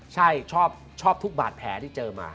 ใช่ชอบทุกบาดแผลที่เจอมา